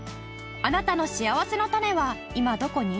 あなたのしあわせのたねは今どこに？